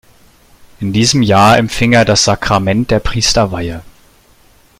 In diesem Jahr empfing er das Sakrament der Priesterweihe.